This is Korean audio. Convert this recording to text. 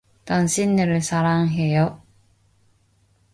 당신을 사랑해요.